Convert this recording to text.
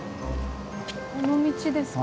この道ですか。